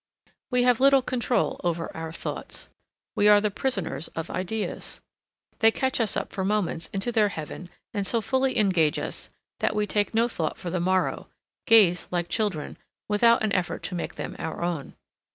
We have little control over our thoughts. We are the prisoners of ideas. They catch us up for moments into their heaven and so fully engage us that we take no thought for the morrow, gaze like children, without an effort to make them our own.